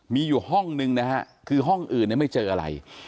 มีอยู่ห้องนึงนะฮะคือห้องอื่นเนี่ยไม่เจออะไร